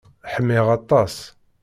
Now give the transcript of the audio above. Ḥmiɣ aṭas.